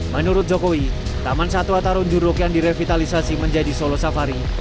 menurut jokowi taman satwa tarun juruk yang direvitalisasi menjadi solo safari